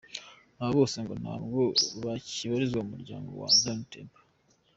Aba bose ngo ntabwo bakibarizwa mu muryango wa Zion Temple.